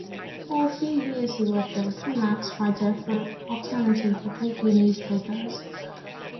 For a few years he worked as a freelance writer for alternative weekly newspapers.